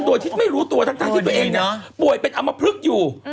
โดยที่ไม่รู้ตัวทั้งที่ตัวเองป่วยเป็นอำมพลึกอยู่